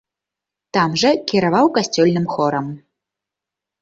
Там жа кіраваў касцёльных хорам.